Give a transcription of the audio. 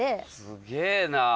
すげえな。